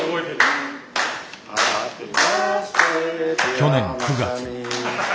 去年９月。